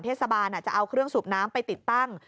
เทศบาลจะเอาเครื่องสูบน้ำไปติดตั้ง